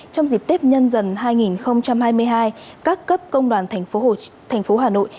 trong dịp tết nhân dần hai nghìn hai mươi hai các cấp công đoàn thành phố hà nội